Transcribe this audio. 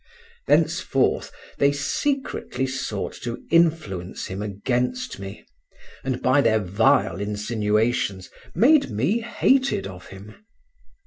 Thenceforth they secretly sought to influence him against me, and by their vile insinuations made me hated of him.